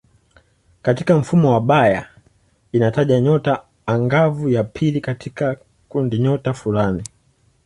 Katika mfumo wa Bayer inataja nyota angavu ya pili katika kundinyota fulani.